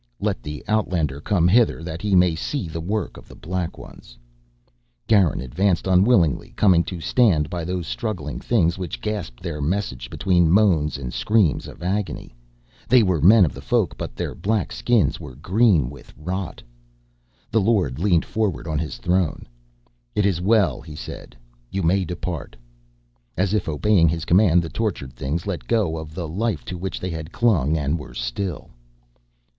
"Let the outlander come hither that he may see the work of the Black Ones." Garin advanced unwillingly, coming to stand by those struggling things which gasped their message between moans and screams of agony. They were men of the Folk but their black skins were green with rot. The Lord leaned forward on his throne. "It is well," he said. "You may depart." As if obeying his command, the tortured things let go of the life to which they had clung and were still.